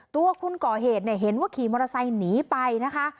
ตัวคนก่อเหตุเนี่ยเห็นว่าขี่มอเตอร์ไซค์หนีไปนะคะ